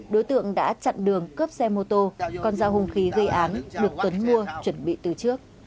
đối tượng đã chặn đường cướp xe mô tô còn giao hùng khí gây án được tuấn mua chuẩn bị từ trước